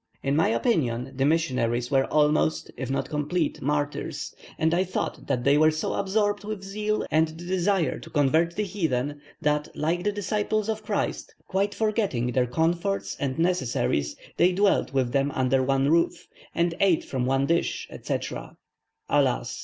In my opinion the missionaries were almost, if not complete martyrs, and I thought that they were so absorbed with zeal and the desire to convert the heathen, that, like the disciples of Christ, quite forgetting their comforts and necessaries, they dwelt with them under one roof, and ate from one dish, etc. Alas!